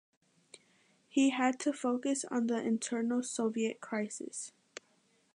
He had to focus on the internal Soviet crisis.